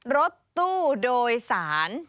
รถตู้โดยสาร